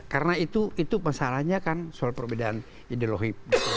karena itu masalahnya kan soal perbedaan ideologi